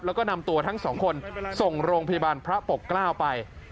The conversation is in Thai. แล้วก็นำตัวทั้งสองคนส่งโรงพยาบาลพระปกเกล้าไป